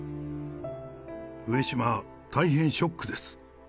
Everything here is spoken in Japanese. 上島、大変ショックです。